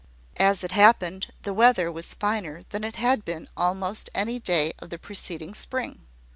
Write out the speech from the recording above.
As it happened, the weather was finer than it had been almost any day of the preceding spring.